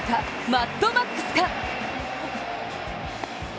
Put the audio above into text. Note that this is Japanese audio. マッドマックスか？